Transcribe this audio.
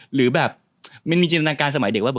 หรือแบบมันมีจินตนาการสมัยเด็กว่า